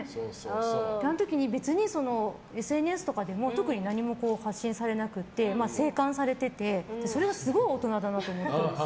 あの時に、別にＳＮＳとかでも特に何も発信されなくて静観されてて、それがすごい大人だと思ったんです。